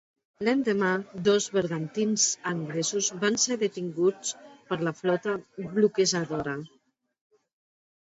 L'endemà, dos bergantins anglesos van ser detinguts per la flota bloquejadora.